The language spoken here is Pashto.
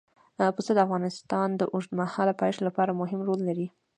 پسه د افغانستان د اوږدمهاله پایښت لپاره مهم رول لري.